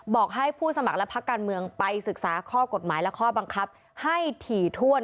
บอกให้ผู้สมัครและพักการเมืองไปศึกษาข้อกฎหมายและข้อบังคับให้ถี่ถ้วน